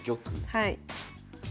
はい。